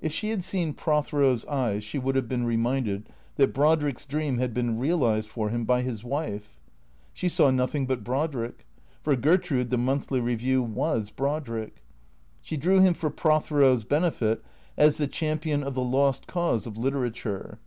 If she had seen Prothero's eyes she would have been reminded that Brodrick's dream had been realized for him by his wife. She saw nothing but Brodrick. For Gertrude the "Monthly Eeview " was Brodrick. She drew him for Prothero's benefit as the champion of the lost cause of literature.